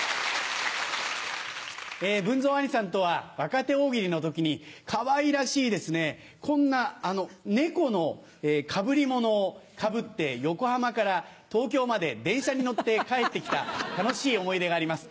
文蔵兄さんとは若手大喜利の時にかわいらしいですねこんな猫のかぶりものをかぶって横浜から東京まで電車に乗って帰って来た楽しい思い出があります。